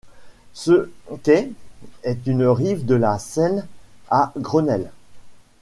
Ce quai était une rive de la Seine à Grenelle.